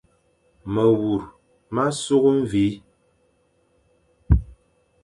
Mewur ma sukh mvi,